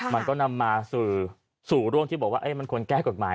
มันก็นำมาสรุสู่เรื่องที่ก็ควรแก้กฎหมาย